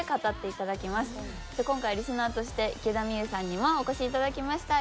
今回リスナーとして池田美優さんにもお越しいただきました。